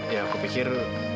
ya aku pikir